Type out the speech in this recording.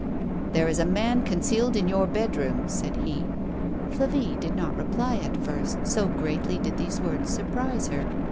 "There is a man concealed in your bed room," said he. Flavie did not reply at first, so greatly did these words sui'prise her.